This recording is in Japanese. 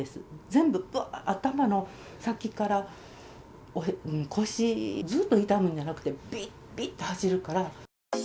全部、ばっと、頭の先から腰、ずーっと痛むんじゃなくて、びっ、びっと走るから。